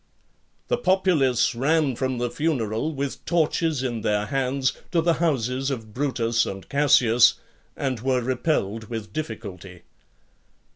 LXXXV. The populace ran from the funeral, with torches in their hands, to the houses of Brutus and Cassius, and were repelled with difficulty.